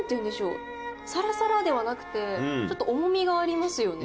サラサラではなくてちょっと重みがありますよね。